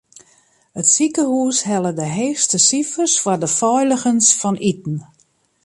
It sikehús helle de heechste sifers foar de feiligens fan iten.